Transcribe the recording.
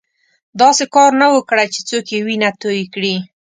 داسې کار نه وو کړی چې څوک یې وینه توی کړي.